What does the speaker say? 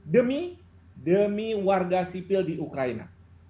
demi demi warga sipil di ukraina